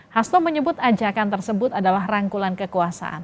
hasto menyebut ajakan tersebut adalah rangkulan kekuasaan